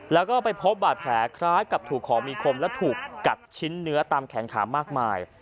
แล้วก็ไปพบบาดแผลคล้ายกับถูกของมีคมและถูกกัดชิ้นเนื้อตามแขนขามากมาย